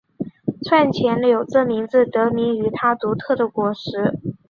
串钱柳这名字得名于它独特的果实。